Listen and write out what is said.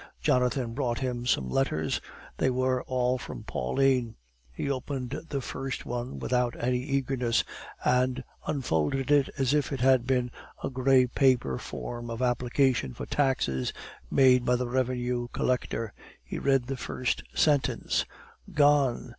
Jonathan brought him some letters; they were all from Pauline. He opened the first one without any eagerness, and unfolded it as if it had been the gray paper form of application for taxes made by the revenue collector. He read the first sentence: "Gone!